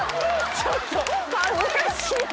ちょっと恥ずかしいな。